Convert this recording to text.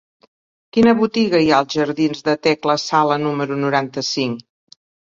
Quina botiga hi ha als jardins de Tecla Sala número noranta-cinc?